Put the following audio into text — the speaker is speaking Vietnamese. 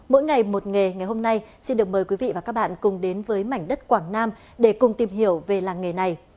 mỗi ngày một nghề ngày hôm nay xin được mời quý vị và các bạn cùng đến với mảnh đất quảng nam để cùng tìm hiểu về làng nghề này